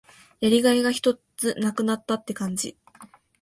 やりがいがひとつ無くなったって感じ。